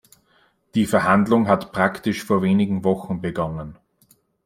Die Verhandlung hat praktisch vor wenigen Wochen begonnen.